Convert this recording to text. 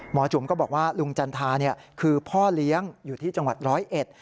จุ๋มก็บอกว่าลุงจันทราเนี่ยคือพ่อเลี้ยงอยู่ที่จังหวัดร้อยเอ็ด